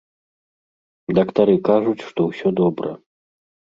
Дактары кажуць, што ўсё добра.